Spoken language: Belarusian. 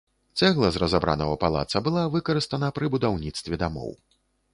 Цэгла з разабранага палаца была выкарыстана пры будаўніцтве дамоў.